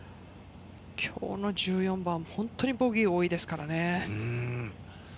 今日の１４番、本当にボギーが多いですからね。